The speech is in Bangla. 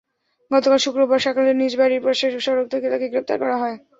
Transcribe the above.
গতকাল শুক্রবার সকালে নিজ বাড়ির পাশের সড়ক থেকে তাঁকে গ্রেপ্তার করা হয়।